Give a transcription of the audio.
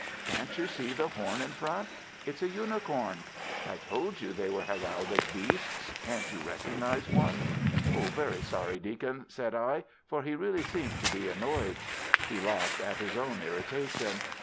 "Can't you see the horn in front? It's a unicorn. I told you they were heraldic beasts. Can't you recognize one?" "Very sorry, Deacon," said I, for he really seemed to be annoyed. He laughed at his own irritation.